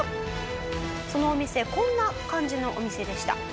そのお店こんな感じのお店でした。